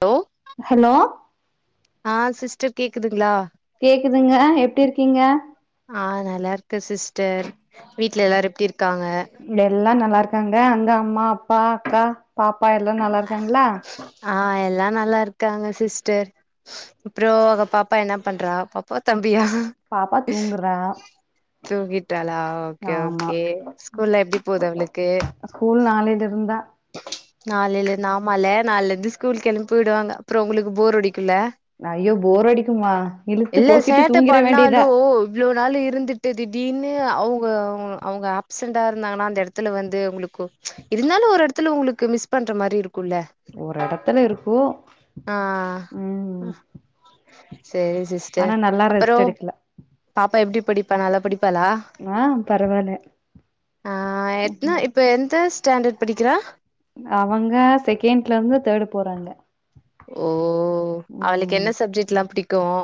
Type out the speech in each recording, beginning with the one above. Hello hello ஹ sis ச்சார் கேக்குதுங்களா கேக்குதுங்க எப்டி இருக்கீங்க ஆ நல்லா இருக்க சிஸ்டர் வீட்ல எல்லாரும் எப்டி இருக் எல்லா நல்லா இருக் இருக்காங்க அந்த அம்மா அப்பா அக்கா பாப் பா எல்லாம் நல்லா இருக்காங்களா ஆ எல்லா நல்லா இருக்காங்க சிஸ்டர் அப்புறம் அங்க பாப்பா என்ன பண்றா பாப்பா தம்பி யா பாப்பா தூங்குறா தூங்கிட்டாளா ஓகே ஆமா ஓகே ஸ்கூல்ல எப்டி போதுஅவளுக்கு ஸ்கூல் நாளைல இருந்தா நாலுலந்து நாமால நால இருந்து ஸ்கூலு எலுபிவிடுவங்க அப்புறம் உங்களுக்கு போராடக் ல்ல ஐயோ போர் அடிக்குமா இழுத்து இல்ல போத்திட்டு சேட்டை தூங்கிட வேண்டியதா பண்ணாலும் இவ்வளவு நாள் இருந்துட்டு திடீனு அவங்க அவங்க ஆப்சான்ட இருந்தாங்கா அந்த இடத்துல வந்து உங்களுக்கு இருந்தாலும் ஒரு இடத்து உங்களுக்கு மிஸ் பண்ற மாரி இருக்கும் ஒரு இடத்துல இருக்கு ஆ ம் ம் செரி சிஸ்டர் அப்புறம் எடுக்கல பாப்பா எப்டி படிப்பா நல்ல படிப் பலா ஆ பரவால்ல ஆ எனா இப்ப எந்த ஸ் ஸ்டண்டர்ட் படிக்கிறா அவங்க செகண்ட்ல இருந்து தேர்டு போறாங்க ஓ அவளுக்கு ம் என்ன சப்ஜெக்ட் எல்லாம் பிடிக் கும்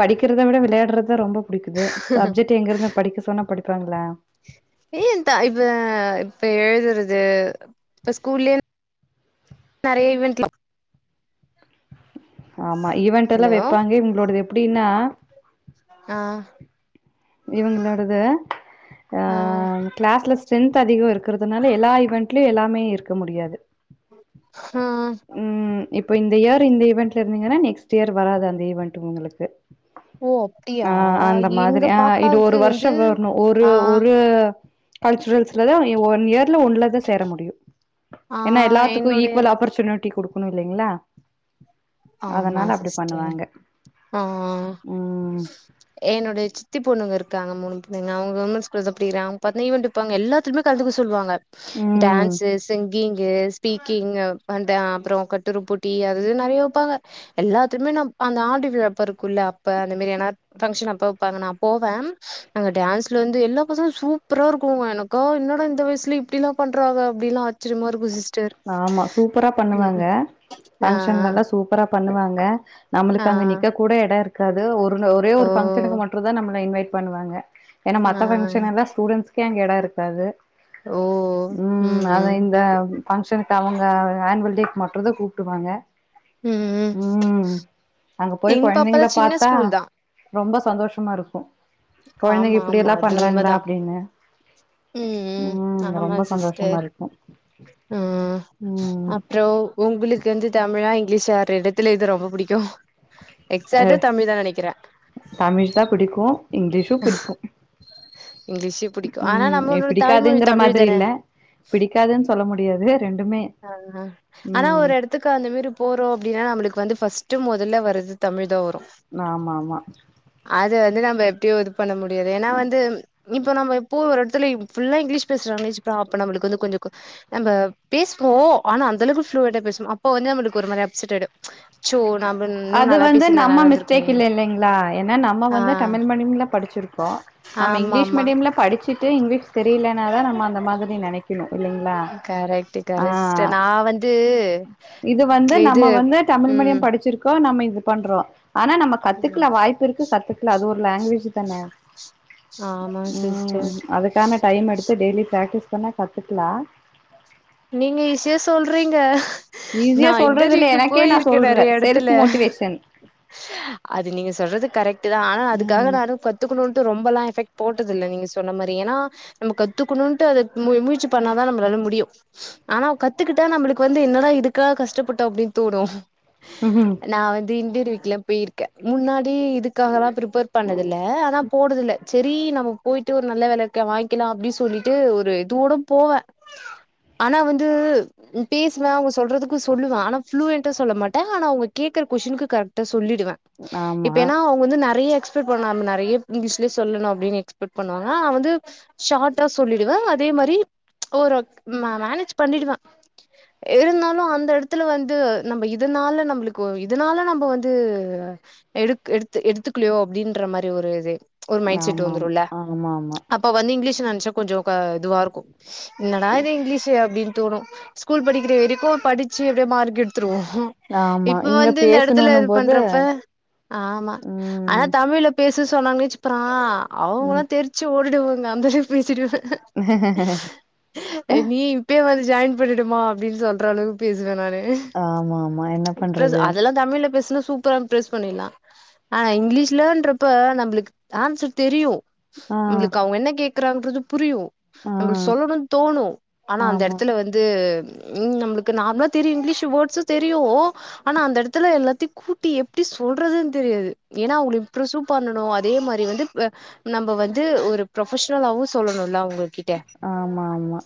படிக்கற்த விட விளையாடுறதுதா ரொம்ப புடிக்குது சப்ஜெக்ட் எங்கிருந்து படிக்க சொன்னா படிப்பு அப்பறங்ளா ஏ இப்ப இப்ப எழுதுறது இப்ப ஸ்கூல்லயே நெறைய ஈவென்ட்ல ஆமா ஈவென்ட் எல்லாம் ஹலோ வைப்பாங்க இங்களோடது எப்படின்னா ஆ இவங்களோடுது ஆ கிளாஸ்ல ஸ்ட்ரென்த் அதிகம் இருக்கும் இருக்கிறதுனால எல்லா ஈவென்ட்லயும் எல்லாமே இருக்க முடியாது ஆஹ் இப்போ இந்த இயர் இந்த ஈவெண்ட்ல இருந்தீங்கன்னா நெக்ஸ்ட் இயர் வராது அந்த வெண்டட் உங்களுக்கு ஓ அப்டியா ஆ அந்த எங்க மாதிரி ஆ இது ஒரு பாப்பாவுக்கு வந்து வருஷம் வரணும் ஒரு ஆ ஒரு கல்ச்சுரல்ஸ்ல தான் ஒன் இயர் ஒன்ன தான் சேர முடியும் ஆ ஏன்னா எல்லாத்துக்கும் என்னுடைய ஈக்குவல் ஆப்பர்ச்சூன் டி கொடுக்கணும் இல்லைங்களா ஆமா அதனால அப்டி சிஸ்டர் பண்ணுவாங்க ஆ ஆ ம் என்னுோடைய சித்தி பொண்ணுங்க இருக்கு இருக்காங்க மூணு புள்ளைங்க அவங்க [inaudible] அப்டி ஈவன் வைப்பாங்க எல்லாத்துலயும் கலந்துக்க சொல்லுவாங்க ம் டான்ஸ் சிங்கிங்கு ஸ்பீக்கிங் அ அப்பறம் கட்டுரு போட்டி அது நெறைய போக எல்லாத்துமேந்த [inaudible] இரு அப்ப அந்த மாரிப்ப வப்பாங்க நான் போவேன்ங்கான்ல வந்து எல்லா பசும் சூப்பரா இருக்கும்ங்க என என்ன இந்த வயசுல இப்டில்லாம் பண்றாங்க அப்டில்லாம் அச்சுரியமாசிச்ச ஆமா சூப்பரா பண்ணுவாங்க ஆ பங்கஷன்லல்லாம் ச அப்புறோ பண்ணுவாங்க ஆ நம்மளுக்கு அங்க நிக்க கூட இடம் இருக் இருது ஒரு ஒரே ஆ ஓ ஒரு பபங்கஷனுக்கு மட்டும் தான் நம்ள இன்வைட் பண்ணுவாங்க ஏன்னா ஆ மத்த பங்க்ஷன் எல்லாம் ஸ்டூடென்ஸ்கே அங்க இடம் இருக்காது ஓ ம் உம் அத ம் இந்த [inaudible] அவங்க ஹனவேல் டேக்கு மற்றதா கூப்பிடுவாங்க ம் ம் அங்க போய் எங்க பாப்பா த கொழந்தைங்கள பாத்தா சின்னஸ்கூல் தான் ரொம்ப சந்தோஷமா இருக்கும் கெழந்தைங்க ஆமா இப்டிய ஆமா எல்லாம் அது பண்றாங்களா உண்மதா அப்டின்னு ம் ம் உம் ரொம்ப சந்தோஷமா இருக்கும் ஆ அப்பறம் உங்களுக்கு வந்து தமிழ் இங்கிலீஷ் இடத்துல இது ரொம்ப பிடிக்கும் தமிழ் தான் பிடிக்கும் இங்கிலீஷும் பிடிக்கும் இங்கிலீஷு புடிக்கு ஆனா உம் நம்மளோட தாய்மொழி பிடிக்காதுங்கிற தமிழ் மாரி தானே இல் பிடிக்காதுன்னு சொல்ல முடியாது ரெண்டுமே ஆஹஹ ஆனா ஒரு ம் இடத்துக்கு அந்த மாரி போறோம் அப்டின்னா நம்மளுக்கு வந்து பஸ்ட் பஸ்ட் முதல்ல வருது தமிழ் தான் ஒரு ஆமா ஆமா [unintelligible] பண்ண முடியாது ஏன்னா வந்து இப்ப நம்ம எப்போ ஒரு இடத்துல ஃபுல்லா இங்கிலீஷ் பேசுறாங்களே மிஸ் அப்ப நம்மளுக்கு வந்து கொஞ்சம் நம்ம பேசுவோம் ஆனா அந்தளவுக்கு ப்ளூயட்டா பேசுனும் அப்ப வந்து நம்மளுக்கு ஒரு மாரி அப்சட் ஆயிடும் அது வந்து நம்ம இருந்திருக்குமே மிஸ்டேக் இல்ல இல்லேங்களா ஏன்னா நம்ம ஆ வந்து தமிழ் மீடியம்ல படிச்சிருக்கோம் நம்ம ஆமா இங்கிலீஷ் ஆமா மீடியம்ல படிச்சுட்டு இங்கிலீஷ் தெரியலனாதான் நம்ம அந்த மாரி நினைக்கணும் இல்லங்களா கரெக்ட் ஆ கரெக்ட் சிஸ்டர் நா வந்து இது வந்து இது நம்ம வந்து தமிழ் ம் மீடியம் இப்ப நம்ம இது பண்றோம் ஆனா நம்ம ம் கத்துக்கலா வாய்ப்பு இருக்கு கத்துக்கலா அது ஒரு லாங்குவேஜ் தானே ஆமா சிஸ்டர் அதுக்கான டைம் எடுத்து டெய்லி பிராக்டிஸ் பண்ணா கத்துக்கலாம் நீங்க ஈசஸியா சொல்றீங்க ஈஸியா நான் சொல்றது இல்ல இன்டர்வியூக்கு எனக்கே நா போயிருக்கேன் சொல்றே நேறைய செல்ஃப் இடத்துல மோட்டிவேஷன் அது நீங்க சொல்றது கரெக்ட் தான் ஆனா ம் அதுக்காக கத்துக்கணுட்டு ரொம்பெல்லாம் எபெக்ட் போட்டதது இல்ல நீங்க சொன்ன மாரி ஏன்னா நம்ம கத்துக்கணும்ட்டு அதை மு முயற்சி பண்ணாதான் நம்மளால முடியும் ஆனா கத்துக்கிட்டா நம்மளுக்கு வந்து என்னடா இதுக்காக கஷ்டப்பட்டோம் அப்டின்னு தோணும் ம் நா வந்து இன்டர்வீயூ ல போயிருக்க முன்னா டி இதுக்காகெல்லாம் பிரிப்பர் பண்ணது இல்ல அதான் போறது இல்ல செரி நம்ம போயிட்டு ஒரு நல்ல வெலைக்கு வாங்கிக்கலாம் அப்டின்னு சொல்லிட்டு ஒரு இதுவோட போவேன் ஆனா வந்து பேசுவேன் அவுங் சொல்றதுக்கு சொல்லுவேன் ஆனா ப்ளூ என் சொல்லமாட்டேன் ஆனா அவுங்க கேக்குற கொஷ்டினுக்கு கரக்டா சொல் சொல்லிடுவேன் ஆமா இப்ப ஏன்னா அவுங்க வந்து நெறைய எக்ஸ்பெக்ட் பண்ண நா நிறைய இங்கிலீஷ்ல சொல்லணும் அப்டின்னு எக்ஸ்பெக்ட் பண்ணுவாங்க அவ வந்து ஷார்ட்டா சொல்லிடுவேன் அதே மாரி ஒரு மேனேஜ் பண்ணிடுவேன் இருந்தாலும் அந்த இடத்துல வந்து நம்ம இதனால நம்மளுக்கு இதனால நம்ம வந்து எ எடுத்து எடுத்துக்கிலையோ அப்டின்ற மாரி ஒரு இது ஒரு மைண்ட் செட் ஆமாம் வந்துரும்ல ஆமா ஆமா அப்ப வந்து இங்கிலீஷ்ல நான் கொஞ்ச கொஞ்ச இதுவா இருக்கும் என் என்னா இது இங்கிலீஷ் அப்டின்னு தோணும் ஸ்கூல் படிக்குற வரிக்கும் படிச்சு எப்டி மார்கெடு [inaudible] இது ஆமா இப்ப இங்க வந்து இந்த இடத்துல பேசணுன்னு இது போது பண்றப்ப ஆமா ஆனா ம் தமிழ்ல பேச சொன்னாங்கே சிப்புறா அவுங்களா ம் தெரிச்சு ஓடிடுவோ நந்த பேசிடுவேன் [inaudible] இப்ப லீவுக்கு இப்ப வந்து ஜாயின் பண்ணிடுமா அப்டின்னு சொல்றளவு பேசுவே நானு ஆமா ஆமா என்ன [inaudible] இப்ப பண்றது அதெல்லாம் தமிழ்ல பேசன சூப்பரா வந்து பேஸ் பண்ணிடலாம் ஆனா இங்கிலீஷ்ல இன்றப்ப நம்புளுக்கு ஆன்சர் தெரியு ஆ உங்களுக்கு அவுங்க என்ன கே [inaudible] புரியு ஆ அப்புடி சொல்லணு தோணும் ஆனால் அந்த ஆமா இடத்துல வந்து உம் நம்மளுக்கு நார்மலா தெரியும் இங்கிலீஷ் வேர்ட்ஸ் தெரியும் ஆனா அந்த எடத்துல எல்லாத்தையும் கூட்டி எப்படி சொல்றதுன்னு தெரியாது ஏன்னா அவுங்க இம்ரசும் பண்ணணு அதே மாரி வந்து நம்ம வந்து ஒரு ப்ரொபஷனலாவு சொல்லணுல அவுங்களுக்கே ஆமா ஆமா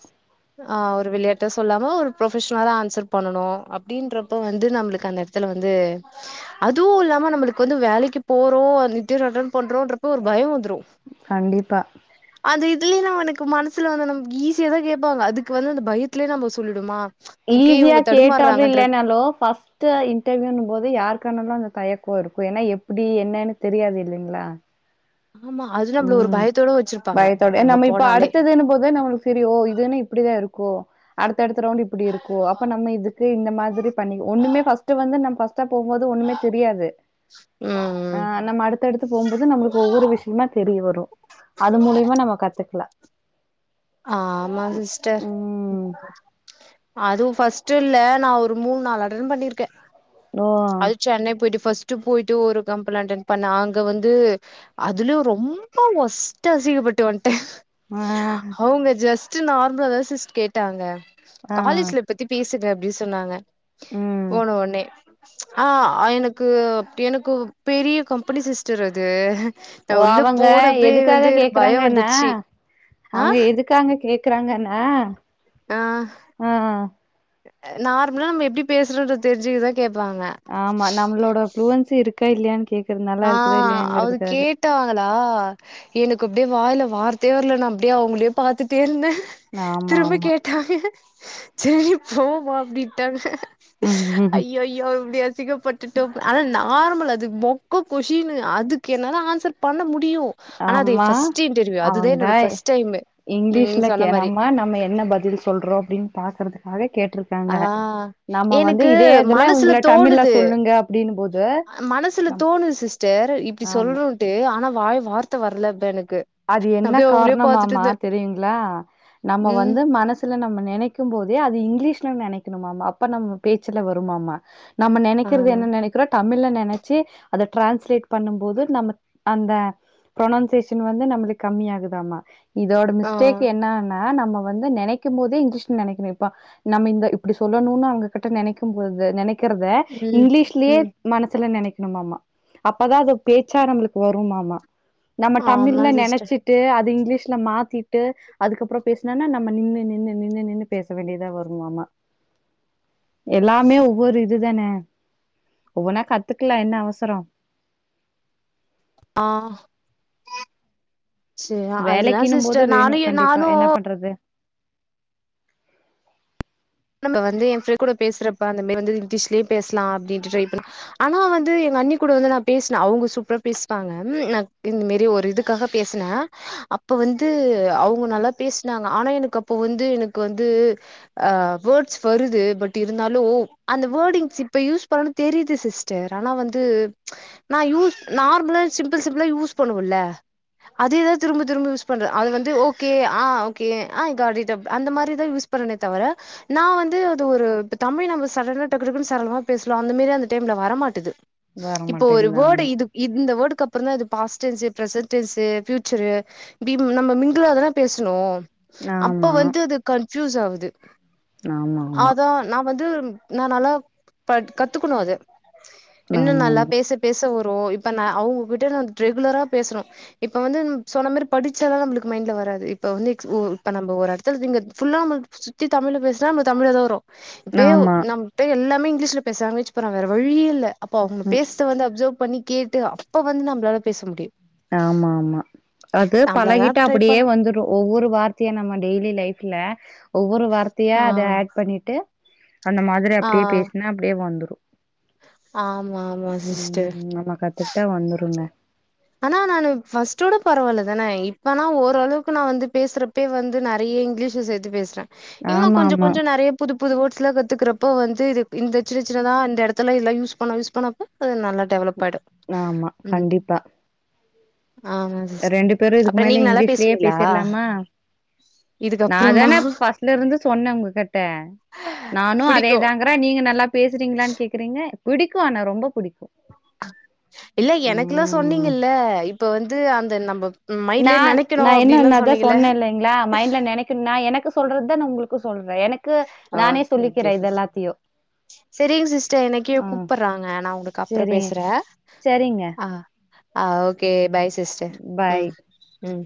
ஆஹ ஒரு விளையாட்ட சொல்லாம ஒரு ப்ரொபஷனலா தா ஆன்சர் பண்ணனு அப்புடின்றப்ப வந்து நம்முளுக்கு அந்த இடத்துல வந்து அதுவு இல்லாம நம்முளுக்கு வந்து வேலைக்கு போறோ நித்தி ரிட்டன் பண்றோ என்றப்ப ஒரு பயம் வந்து கண்டிப்பா அந்த இத இதல ந உனக்கு மனசுல வந்தது நம்ம ஈஸ் ஏதுக் தா கேப்பாங்க அதுக்கு வந்து அந்த பயத்தலேயே நம்ம சொல்லுடுமா ஈஸியா கேட்டாலு இல்லனாலு ஃபர்ஸ்ட்டு இன்டர்வியூன்னு போது யாருக்கானாலு அந்த தயக் ஒர் பொறுப்பு எப்டி என்னன்னு தெரியாது இல்லங்களா ஆமா அது நம்மள ஒரு ம் பயத்தோட வச்சிருப்பாங்க பயத்தோட அங்க நம்ம இப்ப போனாலே அடுத்ததுன்னு போது நம்மளு சரி ஓ இதுன்னு இப்டிதா இருக்கு கோ அடு அடுத்த அடுத்த ரவுண்டு இப்டி இருக்கோ அப்ப நம்ம இதத் ஏ இந்த மாதிரி பண்ணி ஒண்ணுமே பஸ்டு வந்து பஸ் போம்போது ஒண்ணுமே தெரியாது ம் ம் ஆஹ நம்ம அடுத்தடுத்து போம்போது நம்மளுக் ஒவ்வொரு விஷ் என்ன தெரிய வரு அது மூலியமா நம்ம கத்து இருக்லா ஆஹ் ஆமா சிஸ்டர் ம் அதுவும் ஃஸ்ட் இட்டுல நான் ஒரு மூணு நாலு ஆட்ன் பண்ணியிருக்கேன் ஓ அது சென்னை போயிட்டு ஃபர்ஸ்ட் ட் போயிட்டு ஒரு கம்லைட் பண்ண அங்க வந்து அதுலயும் ரொம்ப ஒஸ்ட் அசங்கப்பட்டுவந் ஆஹ் ஜஸ்ட் நார் முல்ல சிஸ் கேட்டாங்க ஆ காலேஜ்ல பத்தி பேசுங்க அபி சொன்னாங்க ம் போன்ன ஒன்னே ஆஹ் ஆ எனக்கு அப்படி எனக்கு பெரிய கம்பெனி சிஸ்டர் அது நா ஓ உள்ள அவங்க போனப்பே வந்து எதுக்காக எனக்கு பயம் கேக்குறாங்கன்னா வந்துருச்சு ஆ அவங்க இதுக்காங்க கேக்குறாங்கண்ணா ஹ நார்ம்முல் நம்ம எப்படி பேசுறதுன் தெரி்ஞ்சு ருக் ஆமா நம்மளோட ப்ளுவன்சி இருக் இருக்கா இல்லையான் கேக் ஆஹ் அவது கேட்டவாங்களா எனக்கு அப்படியே வாயில்லா வ வார்த்தே வரலை நான் அப்படியே அவங்களே பார்த்துட்டே இருந்தேன் ஆமா திரும்ப ஆமா கேட்டாங்க க சரி போமா அப்டிட்ன்டாங்க ம் ஐயோ யோ இப்படி அசுக்கப்பட்டுட்டோம் ஆனா நம்ம நார்மல்ல அது போங் கொ கொஸின் அதுக்கு என்னாலா ஆன்சர் பண்ண முடி ஆம்மா என்னோட அவங்காய் ஃபர்ஸ்ட் டைமு ம் இங்கிலீஷ்ல சொன்ன மாரி கேணம்மா நம்ம என்ன பதில் சொல்றோம் அப்டின்னு பாக்குறது அதே கேட் ஆஹ் எனக்கு இதுல மனசுல உங்கள தமிழ்ல தோணுது சொல்லுங்க அப்டின்னு போது மனசுல தோணுது சிஸ்டர் இப்படி ஆமா சொல்லானுன்ட்டு ஆனா வாய் வார்த்தை வரல இப்ப எனக்கு அது என்ன அப்டியே அவங்களே பாத்துட்டு காரணம்மாமா தெரியுங்களா நம்ம ம் வந்து மனசுல நம்ம நினைக்கும் போதே அது இங்கிலீஷ்ல நினைக்கணும்மா அப்ப நம்ம பேச்சுல வரும்மாமா நம்ம நினைக்கிறது ஆமா என்ன நினைக்கிறோ டப் தமிழ்ல நெனச்சி அத டிரான்ஸ்லேட் பண்ணும்போது நம்ம அந்த புரனவுன்சேஷன் வந்து நம்மளுக்கு கம்மிய ஆகுதாம்மா இதோட ஆ மிஸ்டேக் என்னனா ஆனா நம்ம வந்து நினைக்கும் போதே இங்கிலீஷ்ல நினைக்கணும்பா நம்ம இந்த இப்படி சொல்லணும் அவங்ககிட்ட நினைக்கும் போது நினைக் [unintelligible] இருக்கிறது ம் இங்கிலீஷ்லயே ம் மனசுல நினைக் ஆமாமா அப்பதான் அது பேச்சா நம்மளுக்கு வரும்மாமா ஆமா தமிழ்ல சிஸ்டர் நினைச்சிட்டு அது இங்கிலீஷ் [unintelligible] மாத்திட்டு அதுக்கப்புறம் பேசினனா நம்ம நின் நின் நின்னு நின்னு பேச வேண்டியதா வருமமா எல்லாமே ஒவ்வொரு இதுதானே ஒவ்வொன்னா கத்துக்கலாம் என்ன அவசரம் ஆஹ் செரி அதுதான் வேலைக்கின்னும் போது சிஸ்டர் வேணும் நானும் - கண்டிப்பா. என்ன நானும் பண்றது? இப்போ வந்து என் ஃப்ரெண்ட் கூட பேசுறப்ப அந்தமாரி வந்து இங்கிலீஷ்லய பேசலாம் அப்படின்ட்டு ட்ரை பண்ண ஆனால் வந்து எங்க அண்ணி கூட வந்து நான் பேசினேன் அவங்க சூப்பராக பேசுவாங்க நான் இந்த மாரி ஒரு இதுக்காக பேசன அப்போ வந்து அவங்க நல்லா பேசனாங்க ஆனால் எனக்கு அப்போ வந்து எனக்கு வந்து வேர்ட்ஸ் வருது பட் இருந்தாலும் ஓ அந்த வேர்ட இங் இப்ப யூஸ் பண்ணணும் தெரியுது சிஸ்டர் ஆனா வந்து நான் யூஸ் நார்மலா சிம்பிள் சிம்பிளா யூஸ் பண்ணுவல அதேதான் திரும்ப திரும்ப யூஸ் பண்றன் அது வந்து ஓகே ஆ ஓகே ஆ அந்த [unintelligible] மாதிரிதான் யூஸ் பண்ணனே தவிர நான் வந்து அது ஒரு தமிழ் நம்ம சடனா டக்கு டக்குன்னு சரளமா பேசலாம் அந்த மாரி அந்த டைம்ல வர மாட்டேது வர இப்போ ஒரு மாட்டேங்குது. வேர்ட ஆமா. இது இந்த இந்த வேர்ட் அப்புற தா past tense present tense future [unintelligible] நம்ம மிங்களா தானே பேசணும் அப்ப ஆமா. வந்து அது [unintelligible] [unintelligible] ஆவுது ஆமாமா. அதான் நான் வந்து ம் நா நல்ல பட் கத்துக்கணு அத இன்னு நல்லா ஆமாமா. ஆமா. பேச பேச வரு இப்ப நான் அவங்ககிட்டு ரெகுலரா பேசுறோ இப்ப வந்து சொன்னமாரி படிச்சாலா நமக்கு மைண்ட்ல வராது இப்ப வந்து [unintelligible] இப்ப நம்ம ஒரு இடத்துல [unintelligible] சுத்தி தமிழ்ல பேச [unintelligible] தமிழ்ல தா வரு ஆமா [unintelligible] இங்கிலிஷ் ல பேசலாங் [unintelligible] போறாங்க வேற வழியே இல்ல அப்போ அவங்க ஆமா ம். பேசத்த வந்து அப்சர்வ் பண்ணி கேட்டு அப்ப வந்து நம்மளால பேச முடியும் ஆமா ஆமா அது நம்மளால பலகிட்டா ட்ரை அப்படியே பண்ண வந்துரு ஒவ்வொரு வார்த்தைய நம்ம டெய்லி லைஃப் இல்ல ஒவ்வொரு வார்த்தையா ஆ அத ஆட் பண்ணிட்டு அந்த மாதிரி ஆ அப்படியே பேசினா அப்படியே வந்துரும் ஆமா ஆமா சிஸ்டர் உம் நம்ம கத்துக்கிட்டா வந்துருங்க ஆனா நானு பர்ஸ்ட்டோட பரவாயில்ல தானே இப்பனா ஓரளவுக்கு நான் வந்து பேசுறப்பே வந்து நெறைய இங்கிலீஷ சேர்த்து பேசற இன்னு ஆமா கொஞ்ச ஆமா கொஞ்ச நெறைய புது புது வேர்ட்ஸ்லாம் கத்துக்குறப்ப வந்து இது இந்த சின்ன சின்னதா இந்த எடத்துல எல்லா யூஸ் பண்ண யூஸ் பண்ணப்ப அது நல்லா டெவலப் ஆயிடு ஆமா ம் கண்டிப்பா ஆமா சிஸ் ரெண்டு பேரு இதுக்கு அப்றோ மேல நீங்க நல்லா இங்கிலீஷ்லயே பேசுவீங்களா பேசிறலாமா நா இதுக்கப்றமா தானே பர்ஸ்ட்ல இருந்து சொன்னே உங்க கிட்ட நானும் அதே புடிக்கு தாங்கற நீங்க நல்லா பேசுறீங்களான்னு கேக்குறீங்க பிடிக்கும் ஆனா ரொம்ப பிடிக்கும் இல்ல எனக்குல்லாம் சொன்னீங்கல்ல இப்ப வந்து அந்த இத நம்ம மைண்ட்லயே நான் நெனைக்கணு நான் அப்டின்லா என்னனான் சொன்னீங்கல்ல சொன்னேன் இல்லைங்களா மைண்ட்ல நினைக்கணும்னா எனக்கு சொல்றது தான் உங்களுக்கு இப் சொல்ல ஓகே ஓகே எல்லாத்தையு. செரீங்க சிஸ்டர் ஆ எனகிழக் கூப்பிடுறாங்க நான் உங்களுக்கு அப்புறம் சரி பேசுறேன் சரிங்க ஆஹ ஆ ஓகே பாய் சிஸ்டர் பாய். உம் உம் உம்